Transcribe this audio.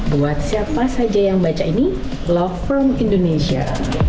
buat siapa saja yang baca ini love from indonesia